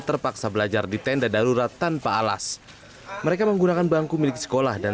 terpaksa belajar di tenda darurat tanpa alas mereka menggunakan bangku milik sekolah dan